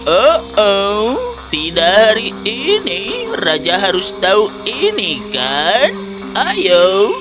oh oh tidak hari ini raja harus tahu ini kan ayo